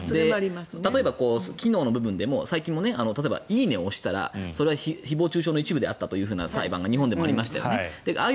例えば機能の部分でも「いいね」を押したら誹謗・中傷の一部であったという裁判が日本でもありましたよね。